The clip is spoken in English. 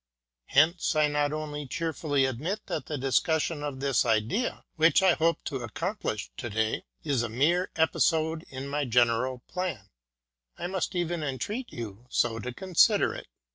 Hence I not only cheerfully admit that the discussion of this idea, which I hope to accomplish to day, is a mere episode in my general plan; I must even entreat you so to consider it.